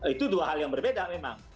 itu dua hal yang berbeda memang